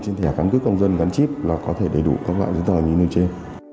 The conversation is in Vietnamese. những công dân gắn chít là có thể đầy đủ các loại giấy tờ như như trên